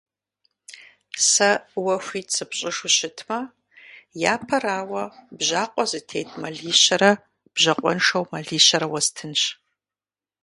Сэ уэ хуит сыпщӀыжу щытмэ, япэрауэ, бжьакъуэ зытет мэлищэрэ бжьакъуэншэу мэлищэрэ уэстынщ.